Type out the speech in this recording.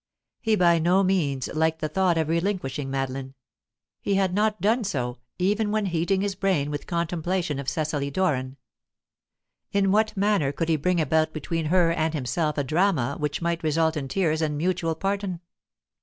He by no means liked the thought of relinquishing Madeline; he had not done so, even when heating his brain with contemplation of Cecily Doran. In what manner could he bring about between her and himself a drama which might result in tears and mutual pardon?